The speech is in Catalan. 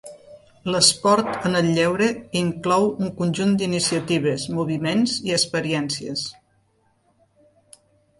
L'esport en el lleure inclou un conjunt d'iniciatives, moviments i experiències.